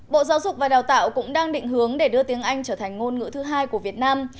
bộ giáo dục và đào tạo cũng đang định hướng để đưa tiếng anh trở thành ngôn ngữ thứ hai của việt nam